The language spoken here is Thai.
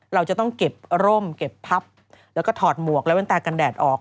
เราจะต้องเก็บร่มเก็บพับแล้วก็ถอดหมวกและแว่นตากันแดดออก